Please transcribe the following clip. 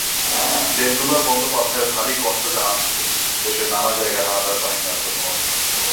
দেবদুলাল বন্দ্যোপাধ্যায়ের ভারী কণ্ঠ জানাচ্ছিল দেশের নানা জায়গায় হানাদার বাহিনীর আত্মসমর্পণের খবর।